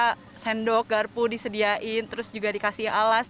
kita sendok garpu disediain terus juga dikasih alas